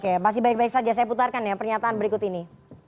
oke masih baik baik saja saya putarkan ya pernyataan berikut ini